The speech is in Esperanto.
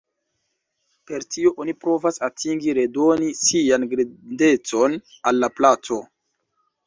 Per tio oni provas atingi redoni 'sian grandecon' al la placo.